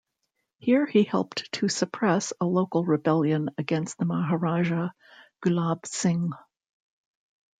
Here he helped to suppress a local rebellion against the Maharaja, Gulab Singh.